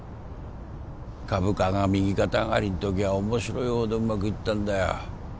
株価が右肩上がりの時は面白いほどうまくいったんだよ